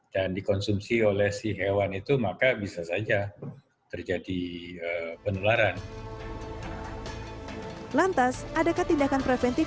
dan dikonsumsi oleh si hewan itu maka bisa saja terjadi penularan lantas adakah tindakan preventif